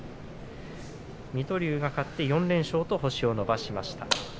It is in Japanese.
水戸龍が勝って４連勝と星を伸ばしました。